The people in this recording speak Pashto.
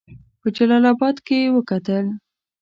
په جلا آباد کې وکتل.